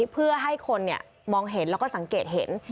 เพื่อให้คนมองเห็นแล้วก็สังเกตเห็น